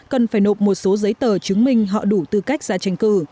cần phải nộp một số giấy tờ chứng minh họ đủ tư cách ra tranh cử